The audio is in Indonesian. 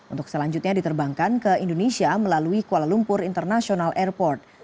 untuk selanjutnya diterbangkan ke indonesia melalui kuala lumpur international airport